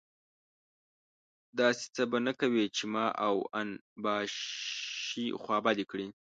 داسې څه به نه کوې چې ما او اون باشي خوابدي کړي.